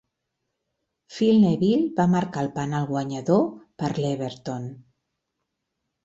Phil Neville va marcar el penal guanyador per a l'Everton.